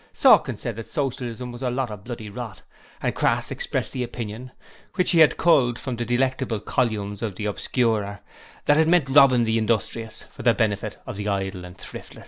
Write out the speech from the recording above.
Sawkins said that Socialism was a lot of bloody rot, and Crass expressed the opinion which he had culled from the delectable columns of the Obscurer that it meant robbing the industrious for the benefit of the idle and thriftless.